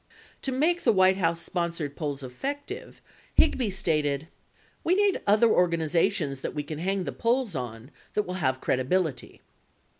65 To make the White House sponsored polls effective, Higby stated, "... we need other organizations that we can hang the polls on that will have credibility."